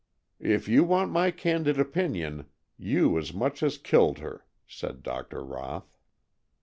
"If you want my candid opinion, you as much as killed her," said Dr. Roth.